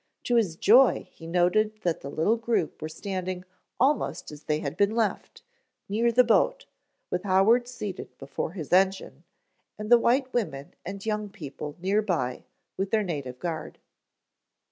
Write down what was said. To his joy he noted that the little group were standing almost as they had been left, near the boat, with Howard seated before his engine, and the white women and young people nearby, with their native guard.